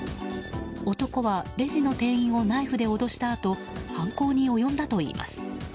男はレジの店員をナイフで脅したあと犯行に及んだといいます。